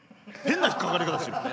変な引っ掛かり方してるよね。